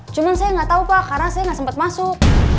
cuman saya gak tau pak karena saya gak sempet masuk